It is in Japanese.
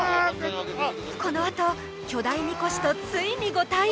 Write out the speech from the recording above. このあと巨大神輿とついにご対面！